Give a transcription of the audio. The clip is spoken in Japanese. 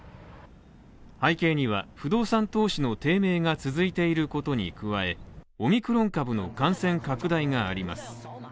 背景には不動産投資の低迷が続いていることに加え、オミクロン株の感染拡大があります。